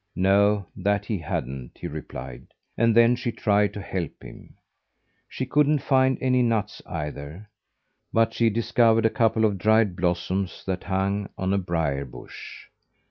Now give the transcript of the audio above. No, that he hadn't, he replied, and then she tried to help him. She couldn't find any nuts either, but she discovered a couple of dried blossoms that hung on a brier bush.